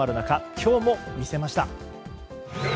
今日も見せました。